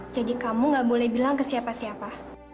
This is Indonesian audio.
jadi kamu gak boleh bilang ke siapa siapa